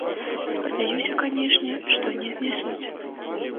Спадзяюся, канешне, што не знясуць.